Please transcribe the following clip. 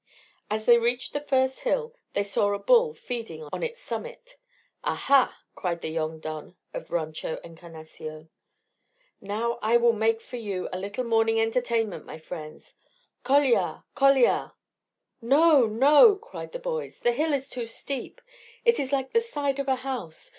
As they reached the first hill they saw a bull feeding on its summit. "Aha!" cried the young don of the Rancho Encarnacion. "Now I will make for you a little morning entertainment, my friends. Coliar! coliar!" "No! no!" cried the boys. "The hill is too steep. It is like the side of a house.